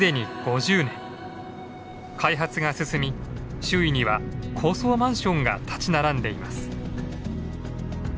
開発が進み周囲には高層マンションが立ち並んでいます。